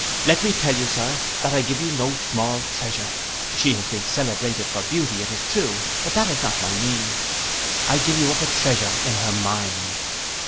And let me tell you, Sir, that I give you no small treasure, she has been celebrated for beauty it is true, but that is not my meaning, I give you up a treasure in her mind.